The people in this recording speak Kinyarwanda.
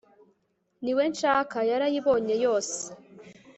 Niwe nshaka yarayibonye yose